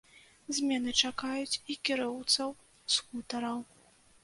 Змены чакаюць і кіроўцаў скутараў.